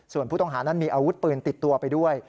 ส่วนผู้ต้องหานั้นมีอาวุธปืนติดตัวไปด้วย